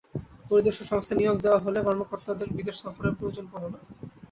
পরিদর্শন সংস্থা নিয়োগ দেওয়া হলে কর্মকর্তাদের বিদেশ সফরের প্রয়োজন পড়ে না।